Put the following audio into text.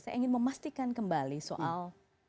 saya ingin memastikan kembali soal